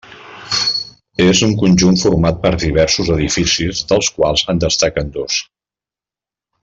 És un conjunt format per diversos edificis dels quals en destaquen dos.